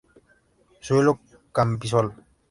Suelo Cambisol.